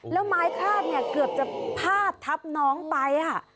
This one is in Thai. แล้วไม้คลาดเนี่ยเกือบจะพาดทับน้องไป